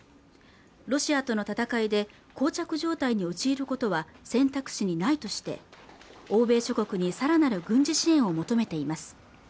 ロシアとの戦いでこう着状態に陥ることは選択肢にないとして欧米諸国にさらなる軍事支援を求めています